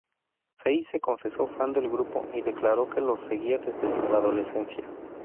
Fey se confesó fan del grupo y declaró que los seguía desde su adolescencia.